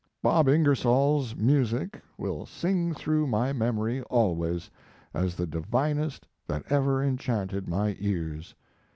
Bob Ingersoll's music will sing through my memory always as the divinest that ever enchanted my ears.